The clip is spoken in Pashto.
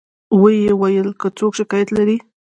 و یې ویل که څوک شکایت لري.